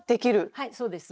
はいそうです。